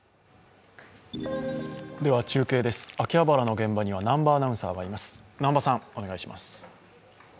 中継です、秋葉原の現場には南波アナウンサーがいます。